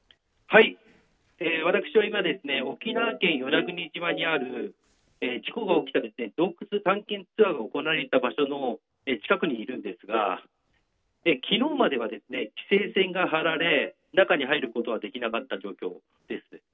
私は今沖縄県与那国島にある事故が起きた洞窟探検ツアーが行われていた場所の近くにいるんですが昨日までは規制線が張られ中に入ることはできなかった状況です。